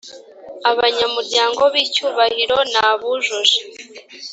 abanyamuryango b icyubahiro ni abujuje